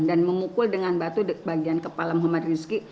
dan memukul dengan batu bagian kepala muhammad rizki